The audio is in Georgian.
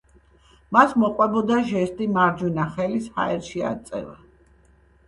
მას მოჰყვებოდა ჟესტი: მარჯვენა ხელის ჰაერში აწევა.